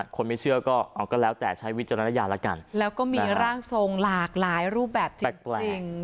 คนไม่เชื่อก็เอาก็แล้วแต่ใช้วิจารณญาณแล้วกันแล้วก็มีร่างทรงหลากหลายรูปแบบจริง